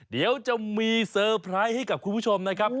เดี๋ยวจะมีสบายใจให้กับคุณผู้ชมนะครับ